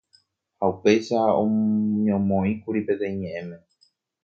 ha upéicha oñomoĩkuri peteĩ ñe'ẽme